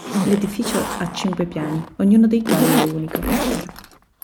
L'edificio ha cinque piani, ognuno dei quali è unico.